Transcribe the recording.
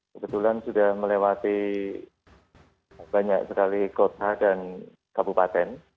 kebetulan sudah melewati banyak sekali kota dan kabupaten